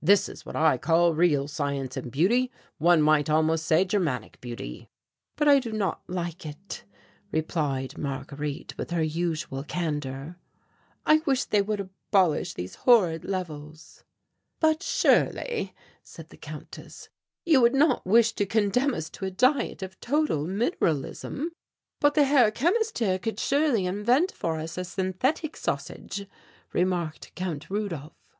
This is what I call real science and beauty; one might almost say Germanic beauty." "But I do not like it," replied Marguerite with her usual candour. "I wish they would abolish these horrid levels." "But surely," said the Countess, "you would not wish to condemn us to a diet of total mineralism?" "But the Herr Chemist here could surely invent for us a synthetic sausage," remarked Count Rudolph.